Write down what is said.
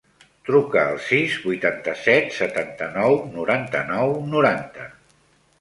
Truca al sis, vuitanta-set, setanta-nou, noranta-nou, noranta.